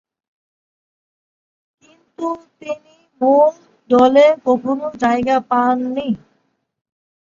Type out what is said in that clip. কিন্তু তিনি মূল দলে কখনো জায়গা পান নি।